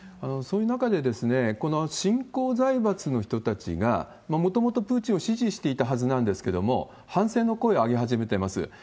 そういう中で、この新興財閥の人たちが、もともとプーチンを支持していたはずなんですけれども、反戦の声を上げ始めてます。